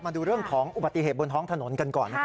มาดูเรื่องของอุบัติเหตุบนท้องถนนกันก่อนนะครับ